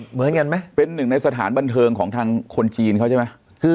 เหมือนกันไหมเป็นหนึ่งในสถานบันเทิงของทางคนจีนเขาใช่ไหม